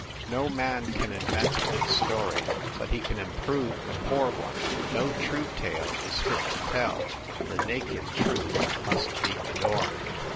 No man can invent a good story : but he can improve a poor one. No true tale is fit to tell the naked truth must be adorned."